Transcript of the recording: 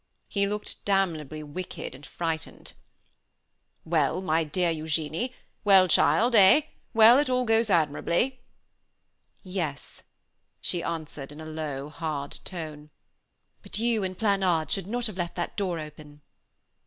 He looked damnably wicked and frightened. "Well, my dear Eugenie? Well, child eh? Well, it all goes admirably?" "Yes," she answered, in a low, hard tone. "But you and Planard should not have left that door open."